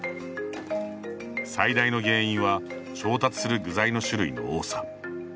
最大の原因は調達する具材の種類の多さ。